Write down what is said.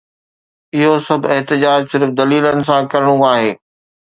اهو سڀ احتجاج صرف دليلن سان ڪرڻو آهي.